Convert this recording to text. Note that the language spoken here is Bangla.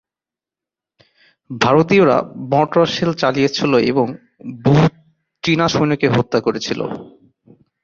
ভারতীয়রা মর্টার শেল চালিয়েছিল এবং বহু চীনা সৈন্যকে হত্যা করেছিল।